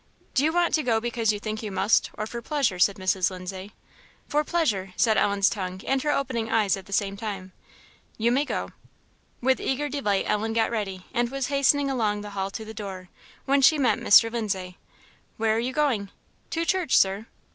"Do you want to go because you think you must, or for pleasure?" said Mrs. Lindsay. "For pleasure," said Ellen's tongue and her opening eyes at the same time. "You may go." With eager delight Ellen got ready, and was hastening along the hall to the door, when she met Mr. Lindsay. "Where are you going?" "To church, Sir."